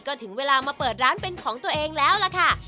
ก็ถึงเวลามาเปิดร้านเป็นของตัวเองแล้วล่ะค่ะ